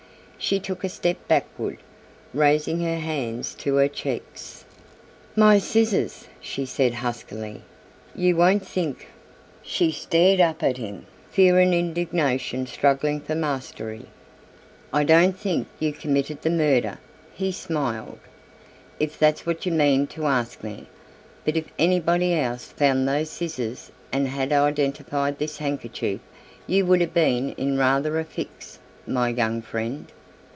She took a step backward, raising her hands to her cheeks. "My scissors," she said huskily; "you won't think " She stared up at him, fear and indignation struggling for mastery. "I don't think you committed the murder," he smiled; "if that's what you mean to ask me, but if anybody else found those scissors and had identified this handkerchief you would have been in rather a fix, my young friend."